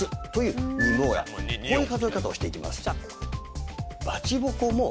こういう数え方をしていきます。